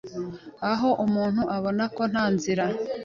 aho umuntu abona ko nta nzira